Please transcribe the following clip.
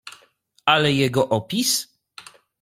"Ale jego opis?"